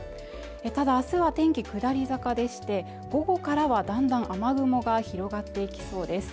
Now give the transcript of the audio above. ただあすは天気下り坂でして午後からはだんだん雨雲が広がっていきそうです